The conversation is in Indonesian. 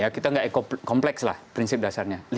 kita enggak ekokompleks lah prinsip dasarnya